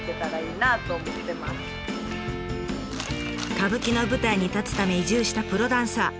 歌舞伎の舞台に立つため移住したプロダンサー。